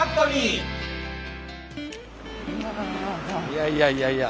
いやいやいやいや。